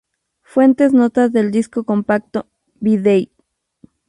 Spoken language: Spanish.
Fuentes: notas del disco compacto "B'Day".